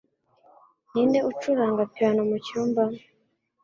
Ninde ucuranga piyano mucyumba?